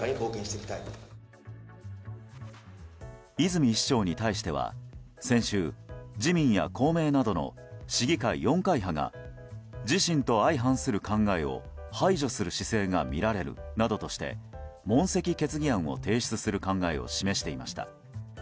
泉市長に対しては先週、自民や公明などの市議会４会派が自身と相反する考えを排除する姿勢がみられるなどとして問責決議案を提出する考えを示していました。